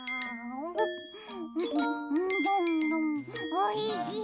おいしい！